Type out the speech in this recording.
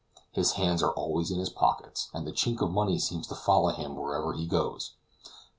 His hands are always in his pockets, and the chink of money seems to follow him wherever he goes.